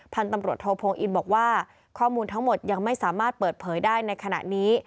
พันธุ์ตำรวจโทพงอินบอกว่าข้อมูลทั้งหมดยังไม่สามารถเปิดเผยได้ในขณะนี้